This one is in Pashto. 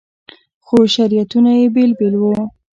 خو شریعتونه یې بېل بېل وو.